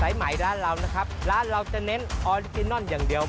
ใหม่ร้านเรานะครับร้านเราจะเน้นออริจินอนอย่างเดียว